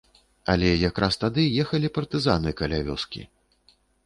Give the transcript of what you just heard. Але якраз тады ехалі партызаны каля вёскі.